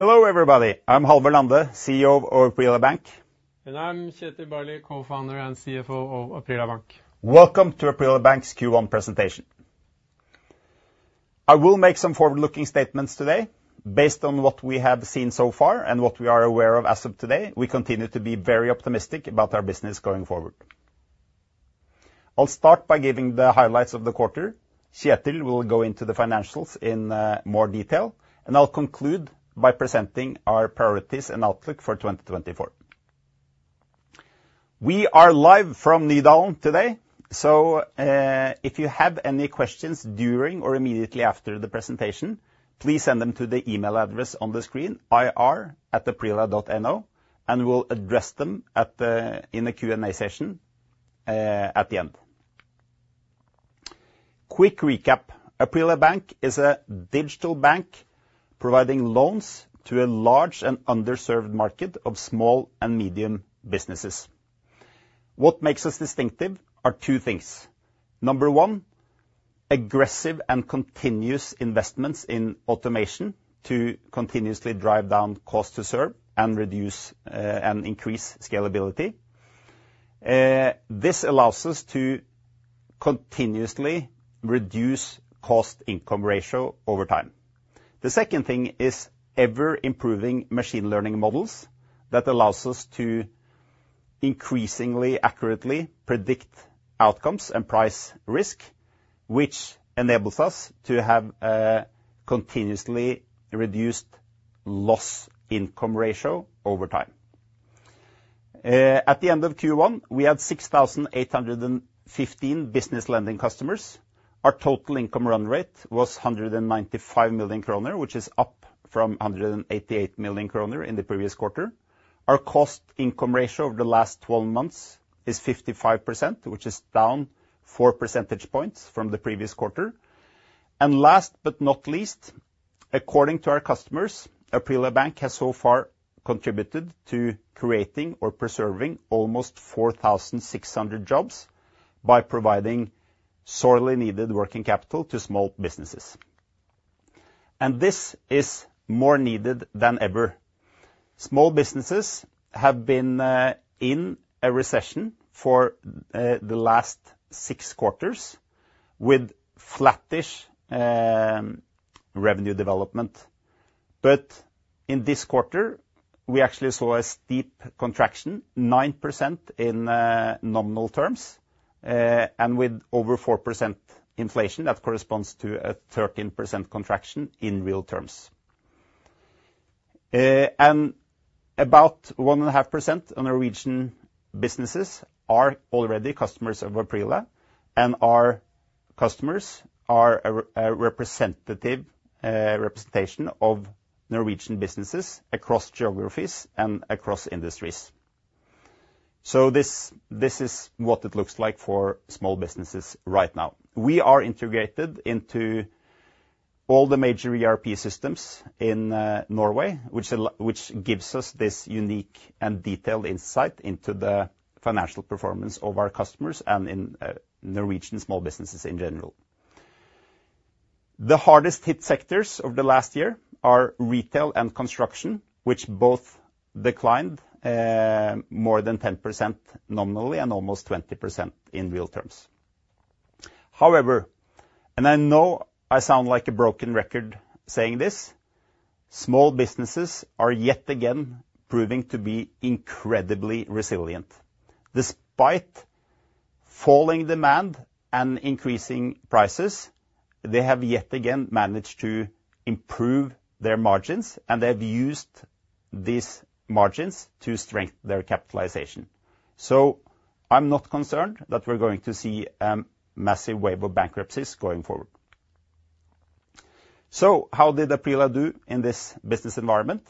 Hello everybody. I'm Halvor Lande, CEO of Aprila Bank. I'm Kjetil Barli, co-founder and CFO of Aprila Bank. Welcome to Aprila Bank's Q1 presentation. I will make some forward-looking statements today. Based on what we have seen so far and what we are aware of as of today, we continue to be very optimistic about our business going forward. I'll start by giving the highlights of the quarter. Kjetil will go into the financials in more detail. I'll conclude by presenting our priorities and outlook for 2024. We are live from Nydalen today. So if you have any questions during or immediately after the presentation, please send them to the email address on the screen, ir@aprila.no, and we'll address them in the Q&A session at the end. Quick recap. Aprila Bank is a digital bank providing loans to a large and underserved market of small and medium businesses. What makes us distinctive are two things. Number one, aggressive and continuous investments in automation to continuously drive down cost to serve and increase scalability. This allows us to continuously reduce cost-income ratio over time. The second thing is ever-improving machine learning models that allow us to increasingly accurately predict outcomes and price risk, which enables us to have a continuously reduced loss-income ratio over time. At the end of Q1, we had 6,815 business lending customers. Our total income run rate was 195 million kroner, which is up from 188 million kroner in the previous quarter. Our cost-income ratio over the last 12 months is 55%, which is down four percentage points from the previous quarter. And last but not least, according to our customers, Aprila Bank has so far contributed to creating or preserving almost 4,600 jobs by providing sorely needed working capital to small businesses. This is more needed than ever. Small businesses have been in a recession for the last 6 quarters with flattish revenue development. But in this quarter, we actually saw a steep contraction, 9% in nominal terms, and with over 4% inflation that corresponds to a 13% contraction in real terms. And about 1.5% of Norwegian businesses are already customers of Aprila. And our customers are a representative representation of Norwegian businesses across geographies and across industries. So this is what it looks like for small businesses right now. We are integrated into all the major ERP systems in Norway, which gives us this unique and detailed insight into the financial performance of our customers and in Norwegian small businesses in general. The hardest-hit sectors of the last year are retail and construction, which both declined more than 10% nominally and almost 20% in real terms. However, and I know I sound like a broken record saying this, small businesses are yet again proving to be incredibly resilient. Despite falling demand and increasing prices, they have yet again managed to improve their margins. And they have used these margins to strengthen their capitalization. So I'm not concerned that we're going to see a massive wave of bankruptcies going forward. So how did Aprila do in this business environment?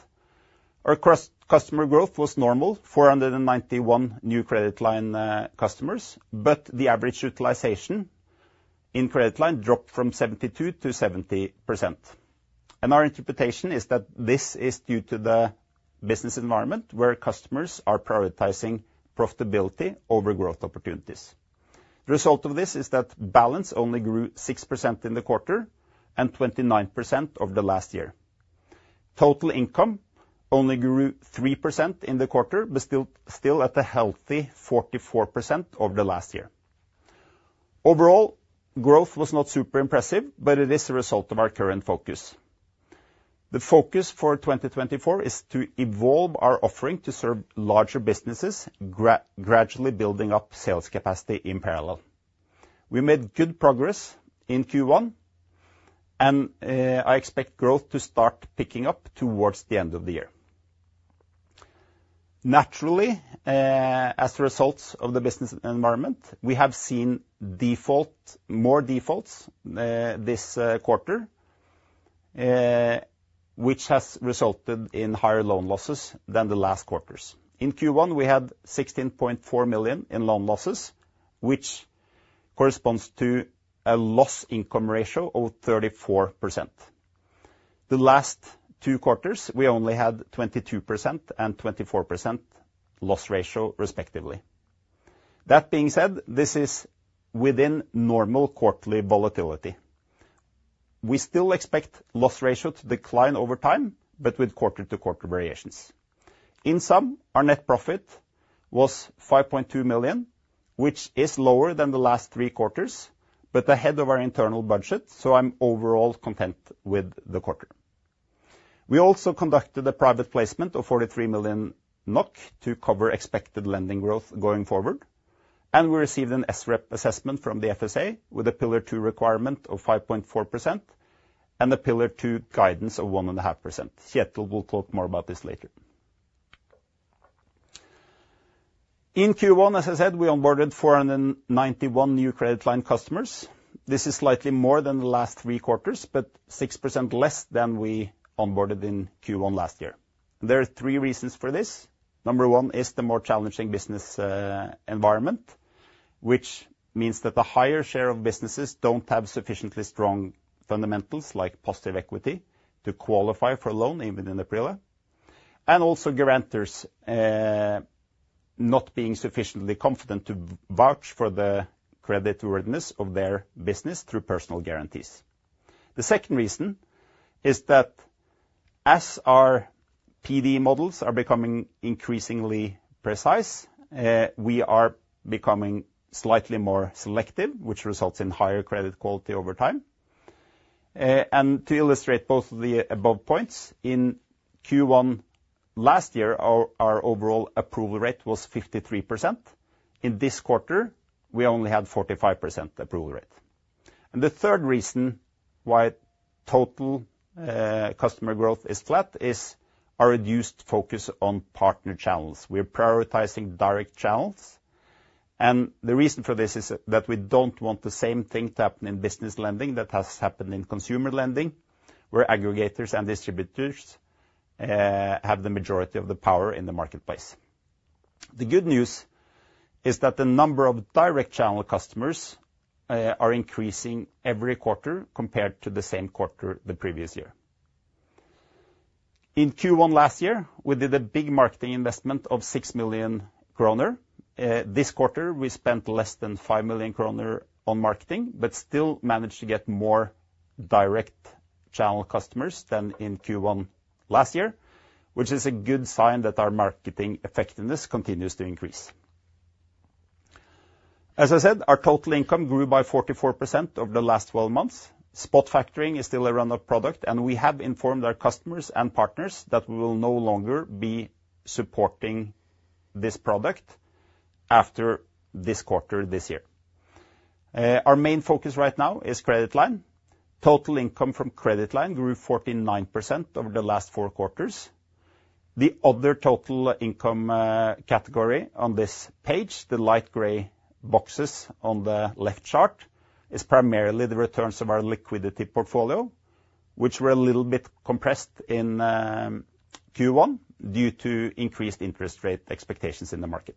Our customer growth was normal, 491 new credit line customers. But the average utilization in credit line dropped from 72%-70%. And our interpretation is that this is due to the business environment where customers are prioritizing profitability over growth opportunities. The result of this is that balance only grew 6% in the quarter and 29% over the last year. Total income only grew 3% in the quarter, but still at a healthy 44% over the last year. Overall, growth was not super impressive, but it is a result of our current focus. The focus for 2024 is to evolve our offering to serve larger businesses, gradually building up sales capacity in parallel. We made good progress in Q1. I expect growth to start picking up towards the end of the year. Naturally, as a result of the business environment, we have seen more defaults this quarter, which has resulted in higher loan losses than the last quarters. In Q1, we had 16.4 million in loan losses, which corresponds to a loss-income ratio of 34%. The last two quarters, we only had 22% and 24% loss ratio, respectively. That being said, this is within normal quarterly volatility. We still expect loss ratio to decline over time, but with quarter-to-quarter variations. In sum, our net profit was 5.2 million, which is lower than the last three quarters, but ahead of our internal budget. So I'm overall content with the quarter. We also conducted a private placement of 43 million NOK to cover expected lending growth going forward. We received an SREP assessment from the FSA with a Pillar 2 requirement of 5.4% and a Pillar 2 guidance of 1.5%. Kjetil will talk more about this later. In Q1, as I said, we onboarded 491 new credit line customers. This is slightly more than the last three quarters, but 6% less than we onboarded in Q1 last year. There are three reasons for this. Number one is the more challenging business environment, which means that the higher share of businesses don't have sufficiently strong fundamentals like positive equity to qualify for a loan, even in Aprila, and also guarantors not being sufficiently confident to vouch for the creditworthiness of their business through personal guarantees. The second reason is that as our PD models are becoming increasingly precise, we are becoming slightly more selective, which results in higher credit quality over time. And to illustrate both of the above points, in Q1 last year, our overall approval rate was 53%. In this quarter, we only had 45% approval rate. And the third reason why total customer growth is flat is our reduced focus on partner channels. We are prioritizing direct channels. The reason for this is that we don't want the same thing to happen in business lending that has happened in consumer lending, where aggregators and distributors have the majority of the power in the marketplace. The good news is that the number of direct channel customers are increasing every quarter compared to the same quarter the previous year. In Q1 last year, we did a big marketing investment of 6 million kroner. This quarter, we spent less than 5 million kroner on marketing, but still managed to get more direct channel customers than in Q1 last year, which is a good sign that our marketing effectiveness continues to increase. As I said, our total income grew by 44% over the last 12 months. Spot factoring is still a run-off product. We have informed our customers and partners that we will no longer be supporting this product after this quarter this year. Our main focus right now is credit line. Total income from credit line grew 49% over the last four quarters. The other total income category on this page, the light gray boxes on the left chart, is primarily the returns of our liquidity portfolio, which were a little bit compressed in Q1 due to increased interest rate expectations in the market.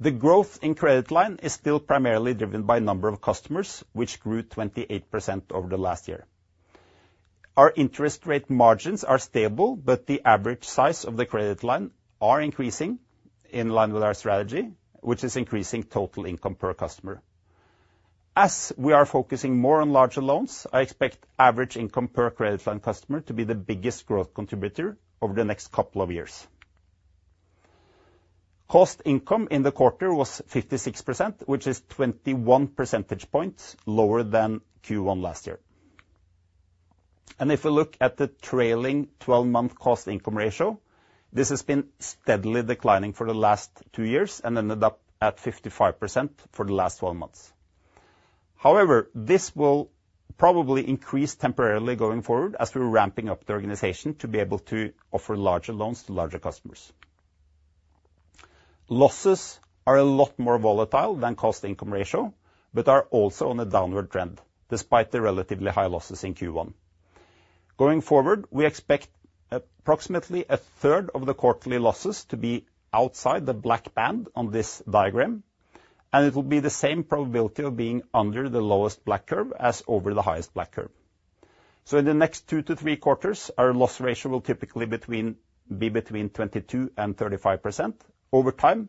The growth in credit line is still primarily driven by number of customers, which grew 28% over the last year. Our interest rate margins are stable, but the average size of the credit line is increasing in line with our strategy, which is increasing total income per customer. As we are focusing more on larger loans, I expect average income per credit line customer to be the biggest growth contributor over the next couple of years. Cost-income in the quarter was 56%, which is 21 percentage points lower than Q1 last year. If we look at the trailing 12-month cost-income ratio, this has been steadily declining for the last two years and ended up at 55% for the last 12 months. However, this will probably increase temporarily going forward as we're ramping up the organization to be able to offer larger loans to larger customers. Losses are a lot more volatile than cost-income ratio, but are also on a downward trend despite the relatively high losses in Q1. Going forward, we expect approximately a third of the quarterly losses to be outside the black band on this diagram. It will be the same probability of being under the lowest black curve as over the highest black curve. In the next 2-3 quarters, our loss ratio will typically be between 22%-35%. Over time,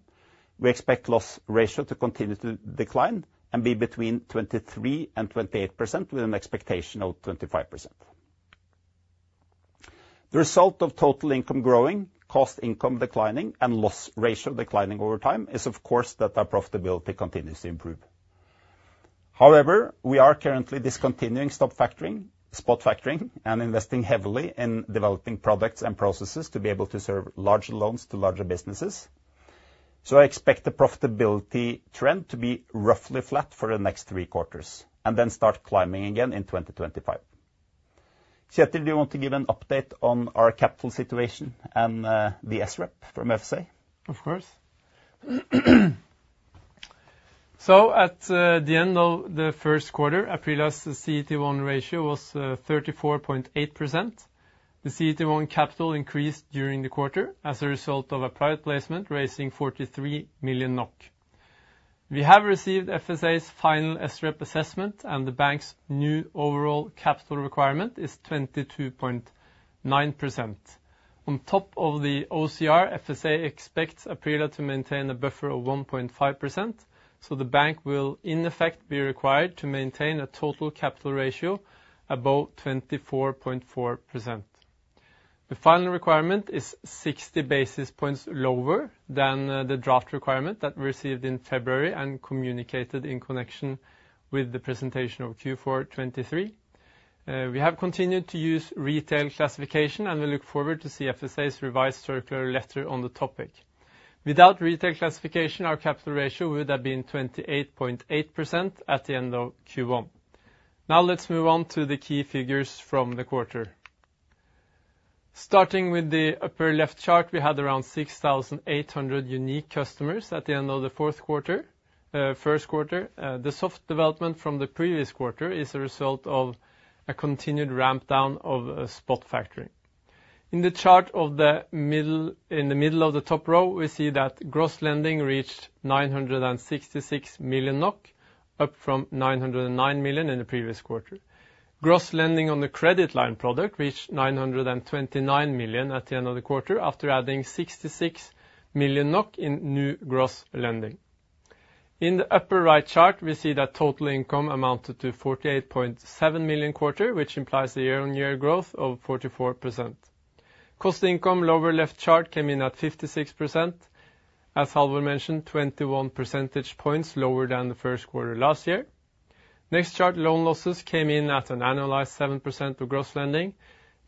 we expect loss ratio to continue to decline and be between 23%-28% with an expectation of 25%. The result of total income growing, cost income declining, and loss ratio declining over time is, of course, that our profitability continues to improve. However, we are currently discontinuing spot factoring and investing heavily in developing products and processes to be able to serve larger loans to larger businesses. I expect the profitability trend to be roughly flat for the next 3 quarters and then start climbing again in 2025. Kjetil, do you want to give an update on our capital situation and the SREP from FSA? Of course. So at the end of the first quarter, Aprila's CET1 ratio was 34.8%. The CET1 capital increased during the quarter as a result of a private placement raising 43 million NOK. We have received FSA's final SREP assessment. The bank's new overall capital requirement is 22.9%. On top of the OCR, FSA expects Aprila to maintain a buffer of 1.5%. So the bank will, in effect, be required to maintain a total capital ratio above 24.4%. The final requirement is 60 basis points lower than the draft requirement that we received in February and communicated in connection with the presentation of Q4 2023. We have continued to use retail classification. We look forward to see FSA's revised circular letter on the topic. Without retail classification, our capital ratio would have been 28.8% at the end of Q1. Now let's move on to the key figures from the quarter. Starting with the upper left chart, we had around 6,800 unique customers at the end of the fourth quarter, first quarter. The soft development from the previous quarter is a result of a continued rampdown of spot factoring. In the chart in the middle of the top row, we see that gross lending reached 966 million NOK, up from 909 million in the previous quarter. Gross lending on the credit line product reached 929 million at the end of the quarter after adding 66 million NOK in new gross lending. In the upper right chart, we see that total income amounted to 48.7 million quarter, which implies a year-on-year growth of 44%. Cost-income lower left chart came in at 56%. As Halvor mentioned, 21 percentage points lower than the first quarter last year. Next chart, loan losses came in at an annualized 7% of gross lending.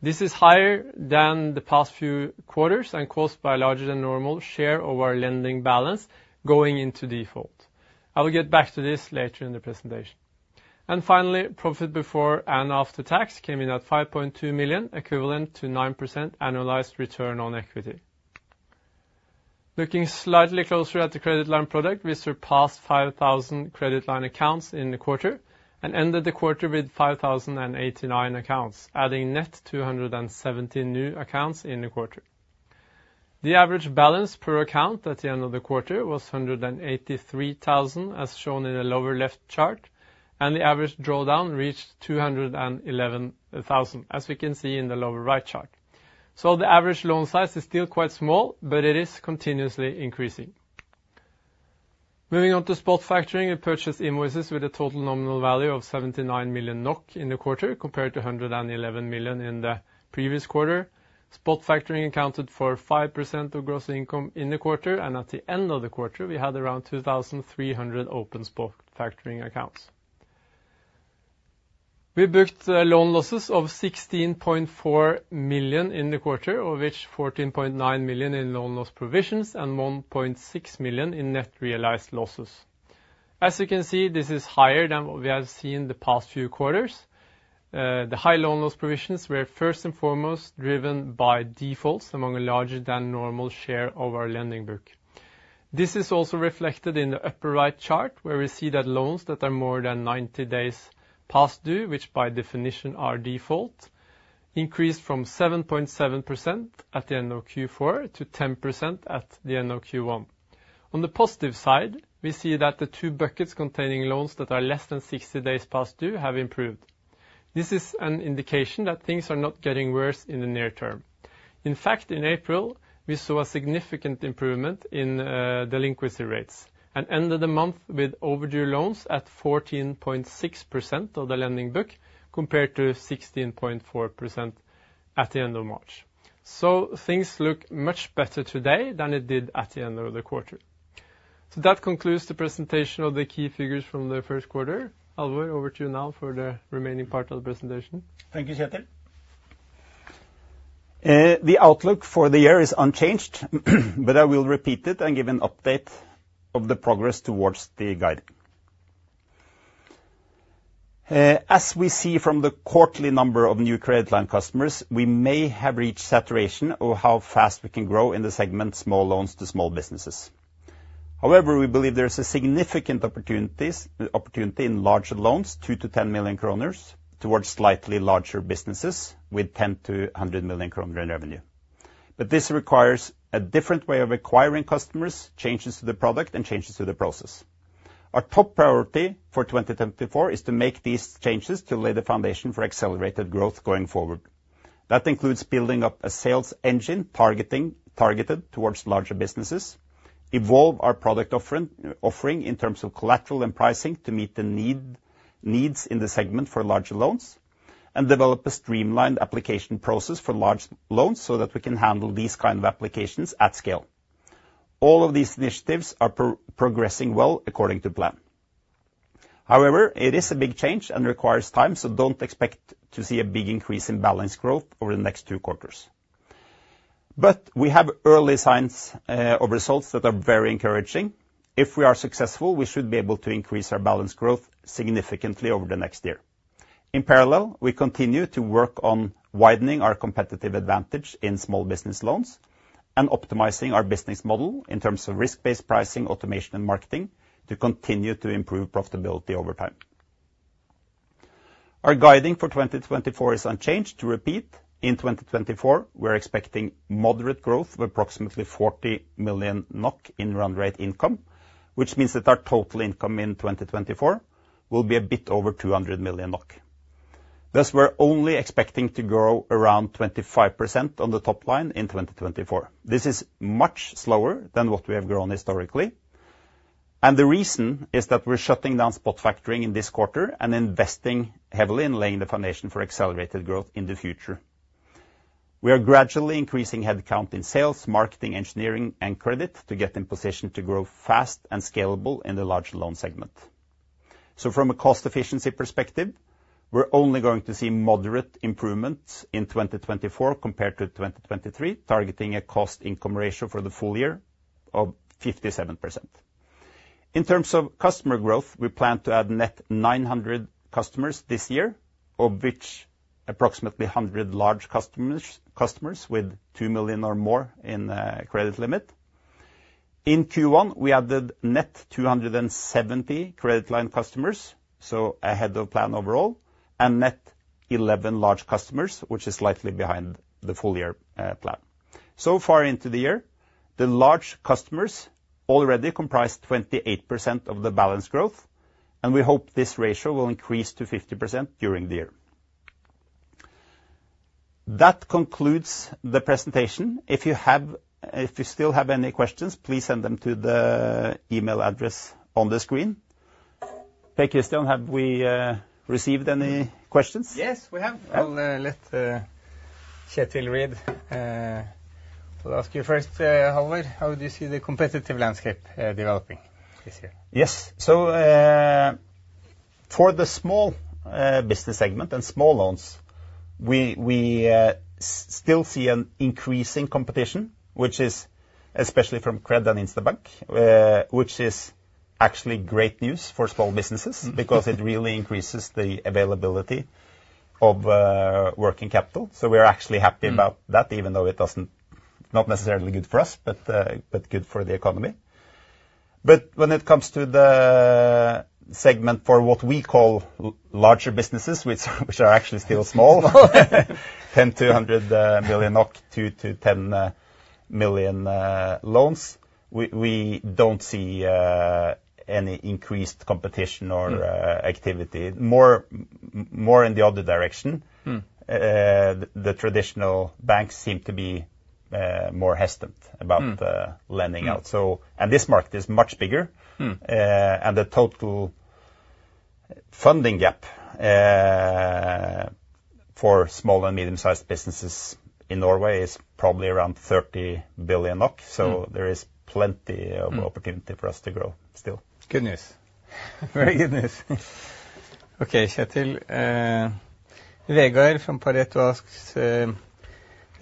This is higher than the past few quarters and caused by a larger-than-normal share of our lending balance going into default. I will get back to this later in the presentation. Finally, profit before and after tax came in at 5.2 million, equivalent to 9% annualized return on equity. Looking slightly closer at the credit line product, we surpassed 5,000 credit line accounts in the quarter and ended the quarter with 5,089 accounts, adding net 217 new accounts in the quarter. The average balance per account at the end of the quarter was 183,000, as shown in the lower left chart. The average drawdown reached 211,000, as we can see in the lower right chart. The average loan size is still quite small, but it is continuously increasing. Moving on to spot factoring, we purchased invoices with a total nominal value of 79 million NOK in the quarter compared to 111 million in the previous quarter. Spot factoring accounted for 5% of gross income in the quarter. At the end of the quarter, we had around 2,300 open spot factoring accounts. We booked loan losses of 16.4 million in the quarter, of which 14.9 million in loan loss provisions and 1.6 million in net realized losses. As you can see, this is higher than what we have seen in the past few quarters. The high loan loss provisions were first and foremost driven by defaults among a larger-than-normal share of our lending book. This is also reflected in the upper right chart, where we see that loans that are more than 90 days past due, which by definition are default, increased from 7.7% at the end of Q4 to 10% at the end of Q1. On the positive side, we see that the two buckets containing loans that are less than 60 days past due have improved. This is an indication that things are not getting worse in the near term. In fact, in April, we saw a significant improvement in delinquency rates and ended the month with overdue loans at 14.6% of the lending book compared to 16.4% at the end of March. So things look much better today than it did at the end of the quarter. So that concludes the presentation of the key figures from the first quarter. Halvor, over to you now for the remaining part of the presentation. Thank you, Kjetil. The outlook for the year is unchanged. But I will repeat it and give an update of the progress towards the guide. As we see from the quarterly number of new credit line customers, we may have reached saturation of how fast we can grow in the segment small loans to small businesses. However, we believe there is a significant opportunity in larger loans, 2 million-10 million kroner, towards slightly larger businesses with 10 million-100 million kroner in revenue. But this requires a different way of acquiring customers, changes to the product, and changes to the process. Our top priority for 2024 is to make these changes to lay the foundation for accelerated growth going forward. That includes building up a sales engine targeted towards larger businesses, evolve our product offering in terms of collateral and pricing to meet the needs in the segment for larger loans, and develop a streamlined application process for large loans so that we can handle these kinds of applications at scale. All of these initiatives are progressing well according to plan. However, it is a big change and requires time. So don't expect to see a big increase in balance growth over the next two quarters. But we have early signs of results that are very encouraging. If we are successful, we should be able to increase our balance growth significantly over the next year. In parallel, we continue to work on widening our competitive advantage in small business loans and optimizing our business model in terms of risk-based pricing, automation, and marketing to continue to improve profitability over time. Our guidance for 2024 is unchanged. To repeat, in 2024, we are expecting moderate growth with approximately 40 million NOK in run-rate income, which means that our total income in 2024 will be a bit over 200 million NOK. Thus, we're only expecting to grow around 25% on the top line in 2024. This is much slower than what we have grown historically. And the reason is that we're shutting down spot factoring in this quarter and investing heavily in laying the foundation for accelerated growth in the future. We are gradually increasing headcount in sales, marketing, engineering, and credit to get in position to grow fast and scalable in the large loan segment. So from a cost efficiency perspective, we're only going to see moderate improvements in 2024 compared to 2023, targeting a cost-income ratio for the full year of 57%. In terms of customer growth, we plan to add net 900 customers this year, of which approximately 100 large customers with 2 million or more in credit limit. In Q1, we added net 270 credit line customers, so ahead of plan overall, and net 11 large customers, which is slightly behind the full year plan. So far into the year, the large customers already comprise 28% of the balance growth. And we hope this ratio will increase to 50% during the year. That concludes the presentation. If you still have any questions, please send them to the email address on the screen. Hey, Kristian, have we received any questions? Yes, we have. I'll let Kjetil read. I'll ask you first, Halvor, how do you see the competitive landscape developing this year? Yes. So for the small business segment and small loans, we still see an increasing competition, especially from Qred and Instabank, which is actually great news for small businesses because it really increases the availability of working capital. So we are actually happy about that, even though it's not necessarily good for us but good for the economy. But when it comes to the segment for what we call larger businesses, which are actually still small, 10-100 million NOK, 2-10 million NOK loans, we don't see any increased competition or activity, more in the other direction. The traditional banks seem to be more hesitant about lending out. This market is much bigger. The total funding gap for small and medium-sized businesses in Norway is probably around 30 billion NOK. So there is plenty of opportunity for us to grow still. Good news. Very good news. OK, Kjetil. Vegard from Pareto asks, there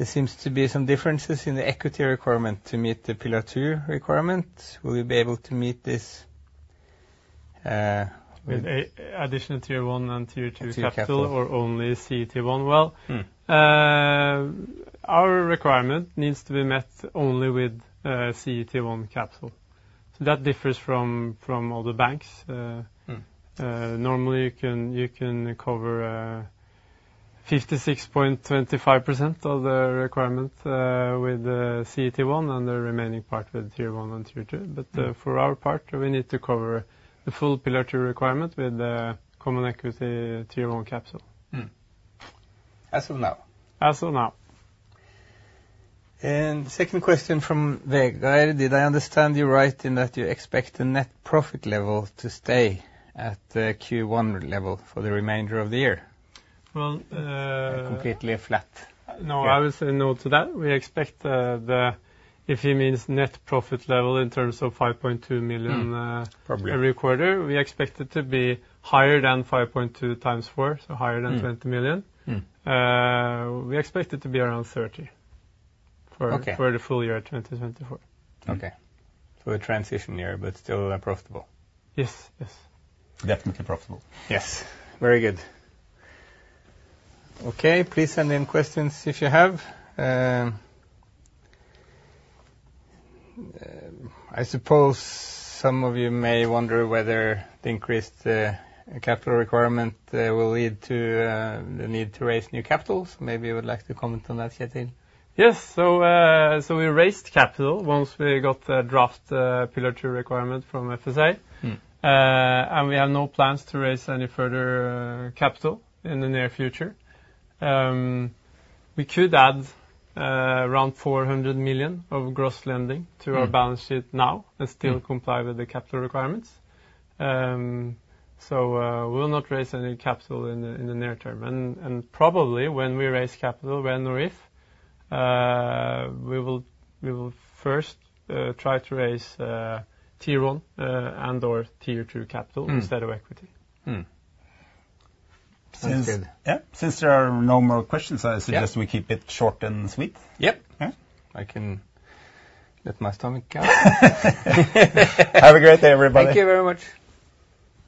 seems to be some differences in the equity requirement to meet the Pillar 2 requirement. Will you be able to meet this with additional Tier 1 and Tier 2 capital or only CET1? Well, our requirement needs to be met only with CET1 capital. So that differs from all the banks. Normally, you can cover 56.25% of the requirement with CET1 and the remaining part with Tier 1 and Tier 2. But for our part, we need to cover the full Pillar 2 requirement with Common Equity Tier 1 capital. As of now? As of now. And second question from Vegard. Did I understand you right in that you expect the net profit level to stay at the Q1 level for the remainder of the year? Well, completely flat. No, I will say no to that. We expect that if he means net profit level in terms of 5.2 million every quarter, we expect it to be higher than 5.2 times 4, so higher than 20 million. We expect it to be around 30 million for the full year 2024. OK, so a transition year but still profitable? Yes, yes. Definitely profitable. Yes, very good. OK, please send in questions if you have. I suppose some of you may wonder whether the increased capital requirement will lead to the need to raise new capital. So maybe you would like to comment on that, Kjetil? Yes. So we raised capital once we got the draft Pillar 2 requirement from FSA. And we have no plans to raise any further capital in the near future. We could add around 400 million of gross lending to our balance sheet now and still comply with the capital requirements. So we will not raise any capital in the near term. And probably, when we raise capital, when or if, we will first try to raise Tier 1 and/or Tier 2 capital instead of equity. Sounds good. Yeah, since there are no more questions, I suggest we keep it short and sweet. Yep. I can let my stomach go. Have a great day, everybody. Thank you very much.